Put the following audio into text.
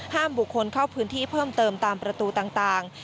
บุคคลเข้าพื้นที่เพิ่มเติมตามประตูต่าง